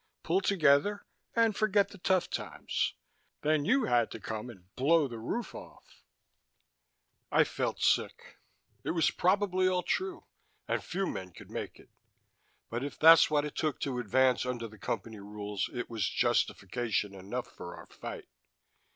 Pull together, and forget the tough times. Then you had to come and blow the roof off...." I felt sick. It was probably all true, and few men could make it. But if that's what it took to advance under the Company rules, it was justification enough for our fight.